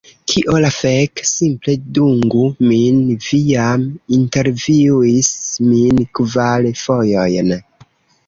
Kio la fek?! Simple dungu min, vi jam intervjuis min kvar fojojn!